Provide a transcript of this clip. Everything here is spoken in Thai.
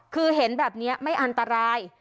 คือเห็นแบบนี้ไม่อันตราย